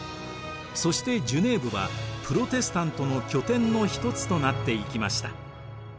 そしてジュネーヴはプロテスタントの拠点の一つとなっていきました。